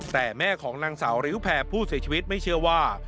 แต่แม่ของนางสาวริ้วแพรผู้เสียชีวิตไม่เชื่อว่า